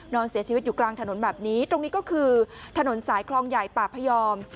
นอนเสียชีวิตอยู่กลางถนนแบบนี้ตรงนี้ก็คือถนนสายคลองใหญ่ป่าพยอม